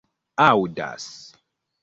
aŭdas